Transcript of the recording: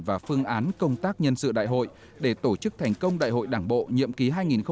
và phương án công tác nhân sự đại hội để tổ chức thành công đại hội đảng bộ nhiệm ký hai nghìn hai mươi hai nghìn hai mươi năm